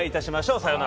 さよなら。